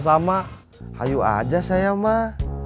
sama aja saya mah